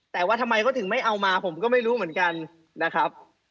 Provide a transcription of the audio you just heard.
แต่ว่าทำไมก็ถึงไม่เอามาผมก็ไม่รู้เหมือนกัน